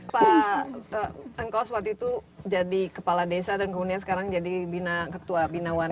pak engkos waktu itu jadi kepala desa dan kemudian sekarang jadi ketua binawar